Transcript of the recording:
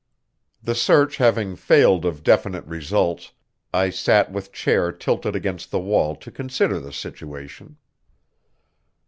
The search having failed of definite results, I sat with chair tilted against the wall to consider the situation.